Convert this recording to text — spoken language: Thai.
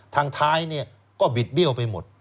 ทางท้ายก็บิดเบี้ยวไปหมด